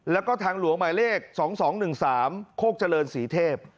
แล้วก็ทางหลวงหมายเลข๒๒๑๓โคกเจริญศรีเทพ